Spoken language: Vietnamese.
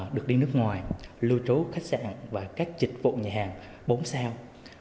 được đi nước ngoài lưu trú khách sạn và các dịch vụ nhà hàng bốn sao